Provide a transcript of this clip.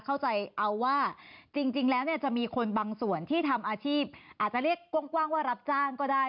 เข้าใจเอาว่าจริงแล้วเนี่ยจะมีคนบางส่วนที่ทำอาชีพอาจจะเรียกกว้างว่ารับจ้างก็ได้